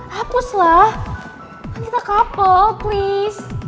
hapuslah kan kita couple please